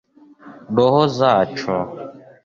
roho zacu